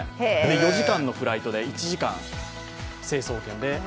４時間のフライトで１時間成層圏で。